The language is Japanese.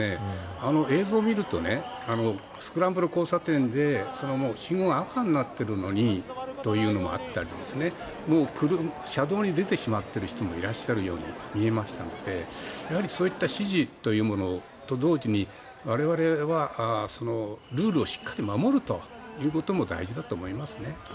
映像を見るとスクランブル交差点で信号が赤になっているのにというのもあったり車道に出てしまってる人もいらっしゃるように見えましたのでそういった指示というものと同時に我々はルールをしっかり守るということも大事だと思いますね。